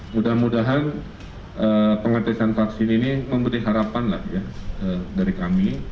mudah mudahan pengetesan vaksin ini memberi harapan lah ya dari kami